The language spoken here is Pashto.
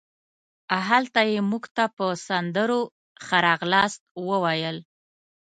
هلته یې مونږ ته په سندرو ښه راغلاست وویل.